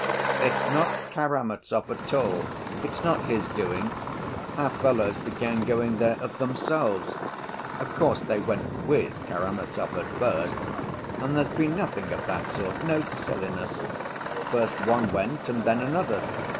"It's not Karamazov at all; it's not his doing. Our fellows began going there of themselves. Of course, they went with Karamazov at first. And there's been nothing of that sort—no silliness. First one went, and then another.